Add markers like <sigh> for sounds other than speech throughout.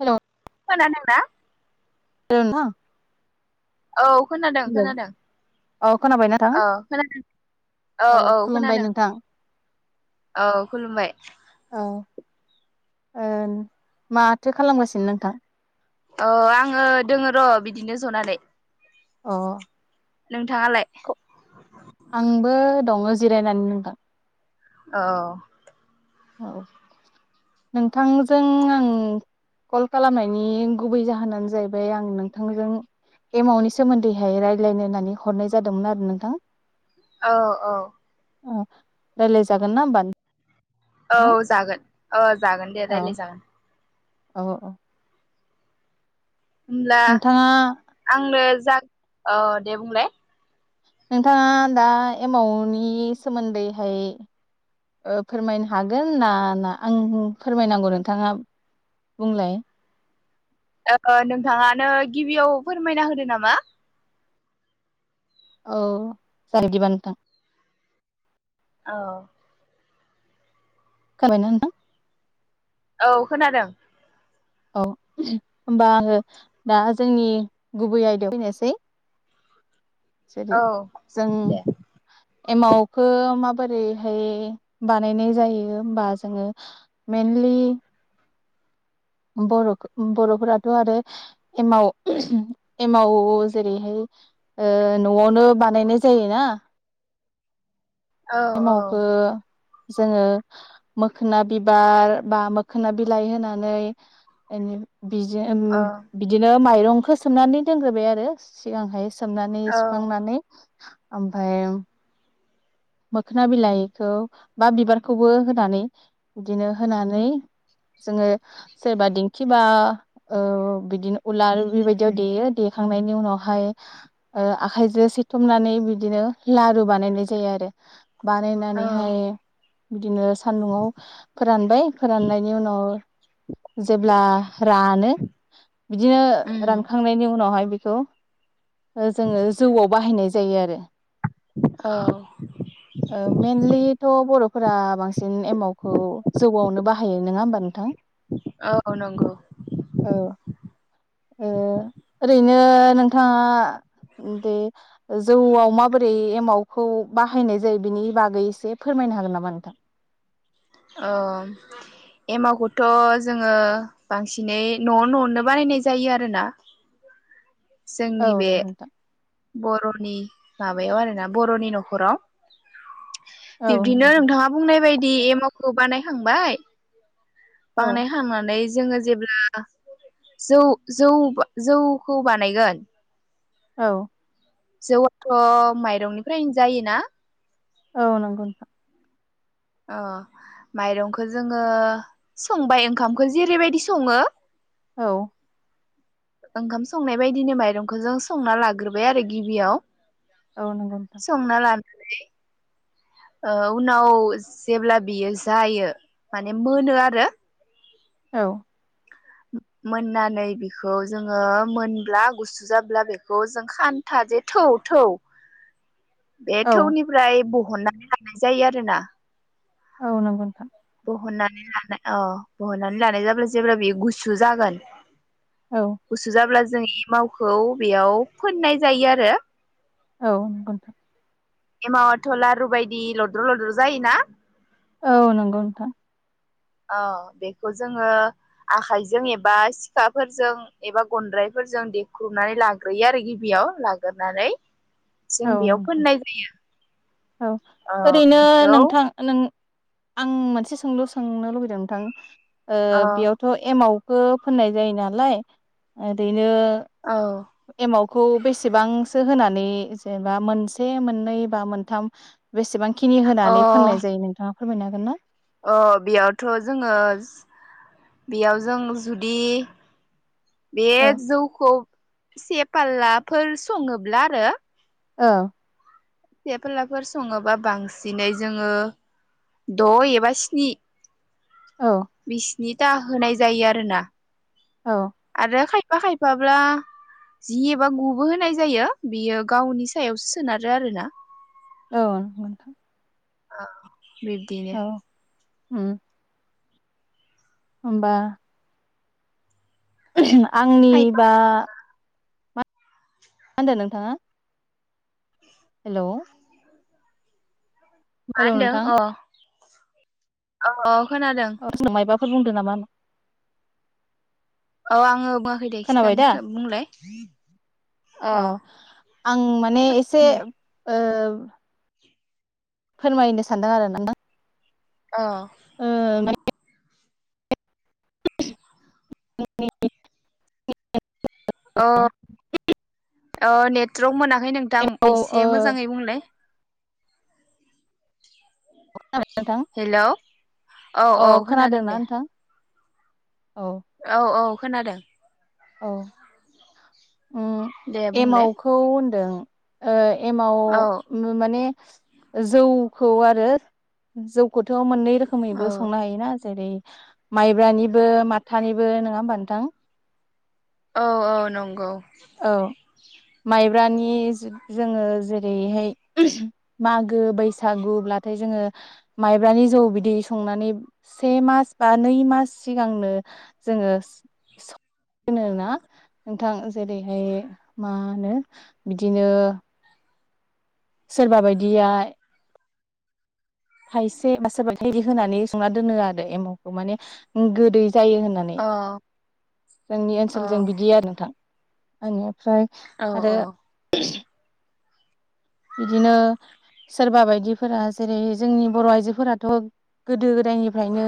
Hello खोनादों ना ओं ना औ खोनादों खोनादों औ खोनाबाय नोंथां औ खोनादों औ औ खुलुमबाय खोनादों नोंथां औ खुलुमबाय औ माथो ओ खालामगासिनो नोंथां औ आङो दोङो र' बिदिनो जनानै अ नोंथाङालाय आंबो दङो जिरायनानै नोंथां औ औ नोंथांजों आं कल खालामनायनि गुबै जाहोनानो जाहैबाय आं नोंथांजों एमाउन्टनि सोमोन्दैहाय रायज्लायनानै हरनाय जादोंमोन आरो नोंथां औ औ रायलाय जागोन ना होमबानो औ जागोन औ जागोन दे औ रायलाय जागोन औ औ होमब्ला नोंथाङा आंनो जागोन औ दे बुंलाय नोंथाङा दा एमाउन्टनि सोमोन्दैहाय ओ फोरमायनो हागोन ना ना आं फोरमायनांगौ नोंथाङा बुंलाय नोंथाङानो गिबियाव फोरमायना होदो नामा औ <unintelligible> बिदिबा नोंथां औ खोनाबायना नोंथां औ खोनादों औ होनोमबा आङो दा जोंनि गुबै आयदायाव फैनोसै जेरै औ जों दे एमावखो माबोरैहाय बानायनाय जायो होमबा जोङो मइेनलि बर' बर'फोराथ' आरो एमाव एमाव जेरैहाय न'आवनो बानायनाय जायोना औ औ एमावखो जोङो मोखोना बिबार बा मोखोना बिलाइ होनानै बिजों औ बिदिनो माइरंखौ सोमनानै दोनग्रोबाय आरो सिगांहोय सोमनानै औ सुखांनानै ओमफ्राय मोखोना बिलाइखौ बा बिबारखौबो होनानै बिदिनो होनानै जोङो सोरबा दिंखि बा बिदिनो ओ उलार बेबायदियाव देयो देखांनायनि उनावहाय आखाइजों सिथुमनानै बिदिनो लारु बानायनाय जायो आरो औ बानायनानैहाय बिदिनो सान्दुंआव फोरानबाय फोराननायनि उनाव जेब्ला रानो बिदिनो उम रानखांनायनि उनावहाय बेखौ जोङो जौआव बाहायनाय जा जायो आरो औ ओ मेनलिथ' बर' फोरा बांसिन एमाउखौ जौआवनो बाहायो नोङा होमबा नोंथां औ नंगौ औ ओरैनो नोंथाङा दे जौआव माबोरै एमावखौ बाहायनाय जायो बिनि बागै एसे फोरमायनो हागोन नामा नोंथां औ एमावखौथ' जोङो बांसिनै न'आव न'आवनो बानायनाय जायो आरोना औ जोंनि बे नंगौ नोंथां बर'नि माबायाव आरो ना बर'नि न'खराव औ बिब्दिनो नंगौ नोंथां नोंथाङा बुंनाय बायदि दि एमावखौ बानायखांबाय औ बांनाय खांनानै जोङो जेब्ला जौ जौ जौखौ बानायगोन औ जौआथ' माइरंनिफ्रायनो जायोना औ नंगौ नोंथां अ माइरंखौ जोङो संबाय ओंखामखौ जेरैबायदि सङो औ ओंखाम संनाय बायदिनो माइरंखौ जों संना लाग्रोबाय आरो गिबियाव औ नंगौ नोंथां मोने ओ उनाव जेब्ला बियो जायो माने मोनो आरो औ मोननानै बिखौ जोङो मोनब्ला गुसु जाब्ला बेखौ जों खान्था जे थौ थौ बे औ थौनिफ्राय बह हननानै लानाय जायो आरो ना औ नंगौ नोंथां बहननानै लानाय अ बहननानै लानाय जाब्ला जेब्ला बियो गुसु जागोन औ गुसुजाब्ला जों एमावखौ बेयाव फोननाय जायो आरो औ नंगौ नोंथां एमाथलारुुबायदि लद्र' लद्र जायोना औ नंगौ नोंथां अ बेखौ जोङो आखाइजों एबा सिखाफोरजों एबा गन्द्रायफोरजों देख्रुबनानै लाग्रोयो आरो गिबियाव लाग्रोनानै जों औ बेयाव नंगौ फोननाय औ जायो ओ ओरैनो बेखौ नोंथां नों आं मोनसे सोंलु सोंनो लुबैदों नोंथां ओ बेयावथ' एमाव बो फोननाय जायो नालाय ओरै औ <unintelligible> एमावखौ बेसेबांसो होनानै जेनेबा मोनसे मोननै बा मोन थाम बेसेबां खिनि अ होनानै फोननाय जायो नोंथां फोरमायनो हागोन ना? अ 'बेयावथ' जोङो बेयाव जों जुदि बे औ जौखौ से फाललाफोर सङोब्ला आरो औ सेफालाफोर सङोबा बांसिनै जोङो द' एबा स्नि औ बिस नि दा होनाय जायो आरो ना औ आरो खाय खायफा- खायफाब्ला जि एबा गुबो होनाय जायो बियो गावनि सायावसो सोनारो आरोना औ <unintelligible> ओ बिब्दिनो औ उम ओमबा <inaudible> आंनि खायफा बा मा होनदों नोंथाङा? हेलौ मा हेलौ होनदों नोंथां अ अ खोनादों औ जोंनाव मायबाफोर बुंदों नामा अ आङो बुङाखैदे खोनाबाय दा? खिथानो <unintelligible> बुंलाय <inaudible> अ औ आं माने एसे दे ओ फोरमायनो सानदों आरो नों अ ओ माने ए <unintelligible> अ नेटवरक मोनाखै नोंथां एम्फौ एसे ओ मोजाङै बुंलाय खोनादों नोंथां हेलौ औ अ औ खोनादों खोनादोंना दे नोंथां औ औ औ खोनादों औ ओ दे बुंलाय एमावखौ होनदों ओ एमाव औ माने जौखौ आरो जौखौथ' मोननै रोखोमैबो औ संनो हायोना जेरै माइब्रानिबो माथानिबो नङा होमबा नोंथां औ औ नंगौ औ माइब्रानि जोङो जेरैहाय मागो बैसागु्ब्लाथाय जोङो माइब्रानि जौ बिदै संनानै से मास बा नै मास सिगांनो जोङो संना नोंथां जेरैहाय मा होनो बिदिनो सोरबा बायदिया थायसे बा सोरोबा थाइनै होनानै संना दोनो आरो एमावखौ माने गोदै जायो होननानै औ जोंनि औ ओनसोलजों बिदि आरो नोंथां <unintelligible> ओमफ्राय औ आरो बिदिनो सोरबा बायदिफोरा जेरै जोंनि बर' आइजोफोराथ' गोदो गोदायनिफ्रायनो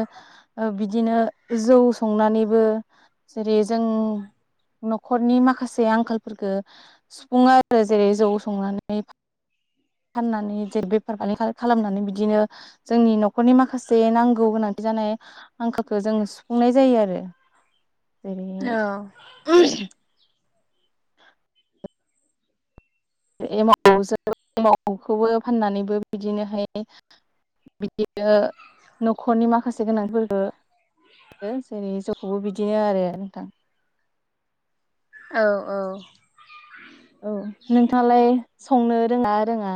बिदिनो जौ संनानैबो जेरै जों न'खरनि माखासे आंखालफोरखौ सुफुङो आरो जेरै जौ संनानै फाननानै जेरै बेफार खालामनानै बिदिनो जोंनि न'खरनि माखासे नांगौ गोनांथि जानाय आंखालखौ जों सुफुंनाय जायो आरो जेरै एमावजों एमावखौबो फाननानैबो बिदिनोहाय बिदिनो न'खरनि माखासे गोनांफोरबो जेरै ज' बेखौबो बिदिनो आरो नोंथां औ औ औ नोंथाङालाय संनो रोङा रोङा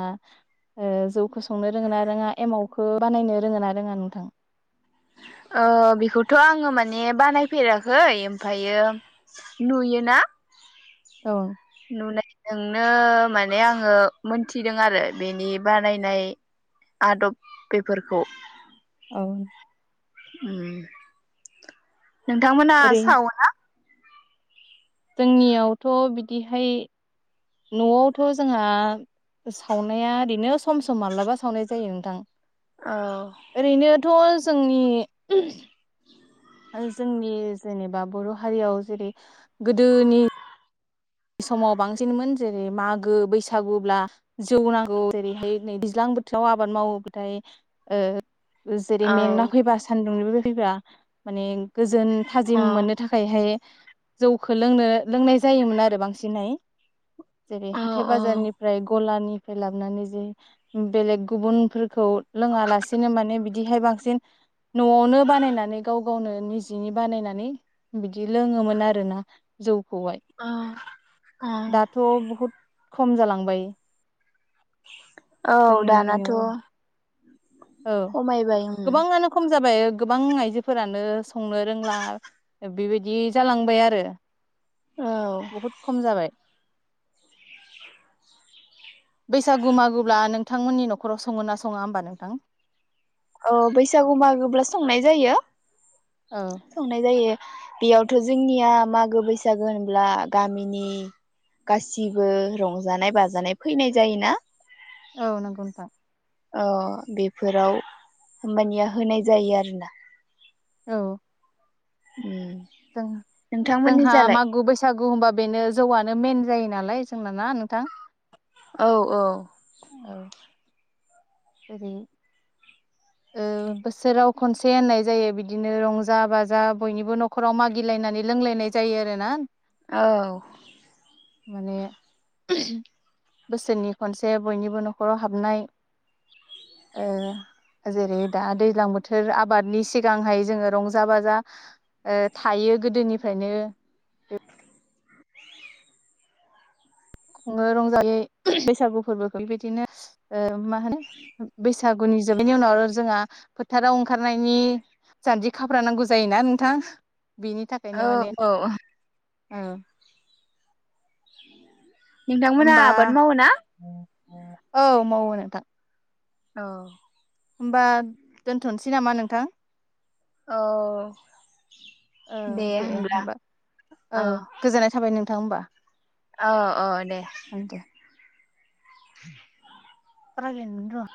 जौखौ संनो रोङोना ना रोङा एमावखौ बानायनो रोङोना ना रोङा नोंथां ओ बेखौथ' आङो माने बानायफेराखै ओमफायो नुयोना औ नुनाय जोंनो माने आङो मोनथिदों आरो बेनि बानायनाय आदब बेफोरखौ औ ओम नोंथांमोना ओरै सावो ना जोंनियावथ' बिदिहाय न'आवथ' जोंहा सावनाया ओरैनो सम सम माब्लाबा सावनाय जायो नोंथां औ ओरैनोथ' जोंनि जोंनि जेनेबा बर' हारियाव जेरै गोदोनि समाव बांसिनमोन जेरै मागो बैसागु्ब्ला जौ नांगौ जेरैहाय नै दैज्लां बोथोराव आबाद मावोबाथाय ओ जेरै औ मेंना फैबा सान्दुंनिबो बा माने गोजोन थाजिम औ मोननो थाखायहाय जौखौ लोंनो लोंनाय जायोमोन आरो आरो बांसिनै जेरै औ हाथाइ औ बाजारनिफ्राय गलानि निफ्राय लाबानै ज बेलेग गुबुनफोरखौ लोङा लासेनो माने बिदिहाय बांसिन न'आवनो बानायनानै गाव गावनो निजिनि बानायनानै बिदि लोङोमोन आरोना जौ अ दाथ' बहुत खम जालांबाय औ दानाथ' जोंनियाव औ खमायबाय उम गोबाङानो खम जाबाय गोबां आइजोफोरानो संनो रोंला बेबायदि जालांबाय आरो औ बहुद खम जाबाय बेस <unintelligible> सागु मागोब्ला नोंथांमोननि न'खर न'खराव सङो ना सङा होमबा नोंथां औ बैसागु मागोब्ला संनाय जायो औ संनाय जायो बेयावथ' जोंनिया मागो बैसागो होनब्ला गामिनि गासिबो रंजानाय बाजानाय फैनाय जायोना औ नंगौ नथां अ बेफोराव होमबानिया होनाय जायो आरोना औ उम जों नोंथांमोननि जोंहा जालाय मागु बैसागु होनबा बेनो जौआनो मेन जायो नालाय जोंना ना नोंथां औ औ औ ओेरै बोसोराव खनसे होननाय जायो बिदिनो रंजा बाजा बयनिबो न'खराव मागिलायनानै लोंलायनाय जायो आरो ना औ माने बोसोरनि खनसे बयनिबो न'खराव हाबनाय ओ जेरै दा दैज्लां बोथोर आबादनि सिगांहाय जोङो रंजा बाजा थायो गोदोनिफ्रायनो खुङो रंजायै बैसागु फोरबोखौ बेबायदिनो मा होनो बैसागुनि जोबैनि उनाव जोंहा फोथाराव ओंखारनायनि जान्जि खाफ्रा नांगौ जायोना नोंथां बिनि थाखायनो औ माने औ औ <inaudible> नोंथांमोनहा होमबा आबाद मावो ना औ मावो नोंथां औ ओमबा दोनथ'नोसै नामा नोंथां औ औ दे होमबा औ गोजोननाय थाबाय नों थां ओमबा अ अ दे <inaudible> रायलायनोनो रोङा